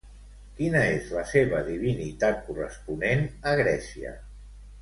Quina és la seva divinitat corresponent a Grècia?